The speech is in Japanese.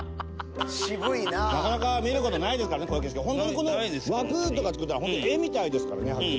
なかなか見ることないですからね、こういう景色、本当にこの枠とか作ったら、本当、絵みたいですからね。